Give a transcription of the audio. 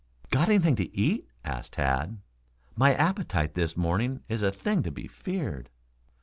"Got anything to eat?" asked Tad. "My appetite this morning is a thing to be feared."